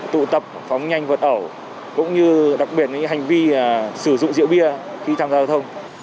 tụ tập phóng nhanh vượt ẩu cũng như đặc biệt những hành vi sử dụng rượu bia khi tham gia giao thông